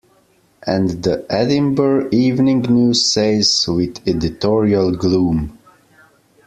And the Edinburgh Evening News says, with editorial gloom.